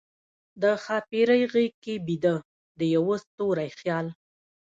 د ښاپیرۍ غیږ کې بیده، د یوه ستوری خیال